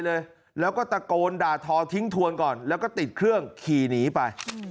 แล้วก็ตะโกนด่าทอทิ้งทวนก่อนแล้วก็ติดเครื่องขี่หนีไป